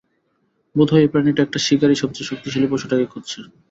বোধহয় এই প্রাণীটা একটা শিকারী, সবচেয়ে শক্তিশালী পশুটাকে খুঁজছে।